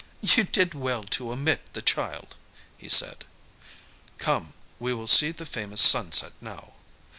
"You did well to omit the child," he said. "Come, we will see the famous sunset now."